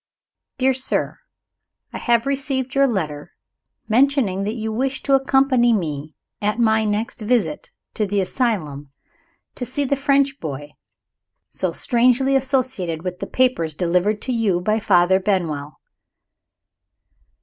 _ Dear Sir I have received your letter, mentioning that you wish to accompany me, at my next visit to the asylum, to see the French boy, so strangely associated with the papers delivered to you by Father Benwell.